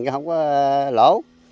chứ không có lỗ